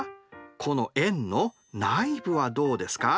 この円の内部はどうですか？